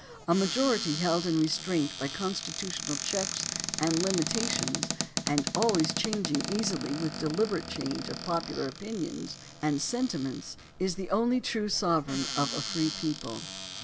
... A majority held in restraint by constitutional checks and limitations, and always changing easily with deliberate changes of popular opinions and sentiments, is the only true sovereign of a free people.